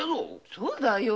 そうだよ。